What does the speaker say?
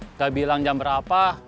nggak bilang jam berapa